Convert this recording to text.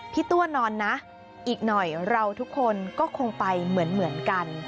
ตัวนอนนะอีกหน่อยเราทุกคนก็คงไปเหมือนกัน